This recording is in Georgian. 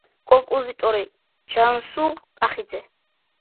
კომპოზიტორი: ჯანსუღ კახიძე.